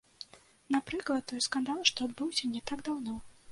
Напрыклад, той скандал, што адбыўся не так даўно.